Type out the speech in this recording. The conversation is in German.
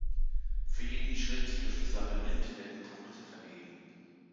Für jeden Schritt durch das Labyrinth werden Punkte vergeben.